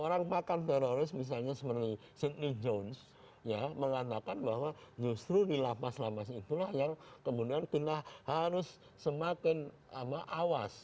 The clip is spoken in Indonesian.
jadi kalau teroris teroris misalnya seperti sidney jones ya mengatakan bahwa justru di lapas lapas itulah yang kemudian kita harus semakin awas